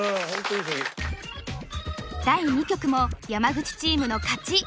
第２局も山口チームの勝ち。